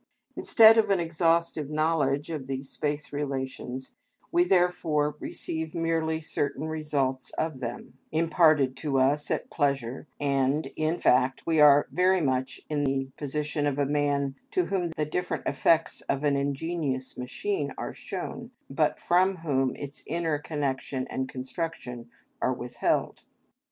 Instead of an exhaustive knowledge of these space relations we therefore receive merely certain results of them, imparted to us at pleasure, and in fact we are very much in the position of a man to whom the different effects of an ingenious machine are shown, but from whom its inner connection and construction are withheld.